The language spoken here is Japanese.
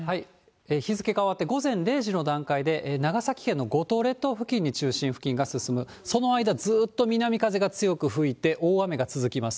日付変わって午前０時の段階で、長崎県の五島列島付近に中心付近が進む、その間ずっと南風が強く吹いて、大雨が続きます。